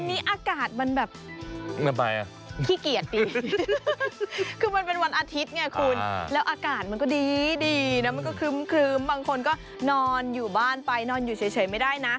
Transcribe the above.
อันนี้อากาศมันแบบขี้เกียจดีคือมันเป็นวันอาทิตย์ไงคุณแล้วอากาศมันก็ดีนะมันก็ครึ้มบางคนก็นอนอยู่บ้านไปนอนอยู่เฉยไม่ได้นะ